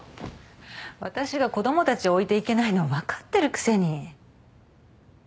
私が子供たちを置いていけないの分かってるくせに。